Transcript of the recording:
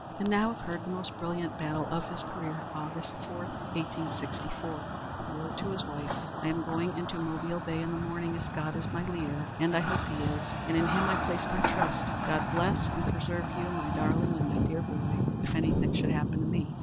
And now occurred the most brilliant battle of his career. Aug. 4, 1864, he wrote to his wife, "I am going into Mobile Bay in the morning, if God is my leader, as I hope He is, and in Him I place my trust. God bless and preserve you, my darling, and my dear boy, if anything should happen to me.